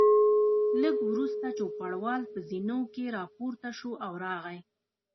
لږ وروسته چوپړوال په زینو کې راپورته شو او راغی.